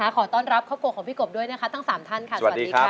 ขอต้อนรับครอบครัวของพี่กบด้วยนะคะทั้ง๓ท่านค่ะสวัสดีค่ะ